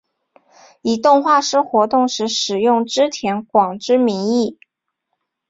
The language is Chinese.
以动画师活动时使用织田广之名义。